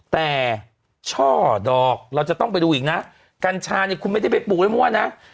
แต่ช่อดอกเราจะต้องไปดูอีกนะกัญชาเนี่ยคุณไม่ได้ไปปลูกไว้มั่วนะ